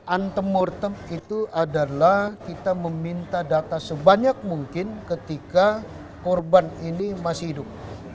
antemortem itu adalah kita meminta data sebanyak mungkin ketika korban ini masih hidup